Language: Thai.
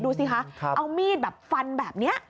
ดูสิคะเอามีดแบบฟันมา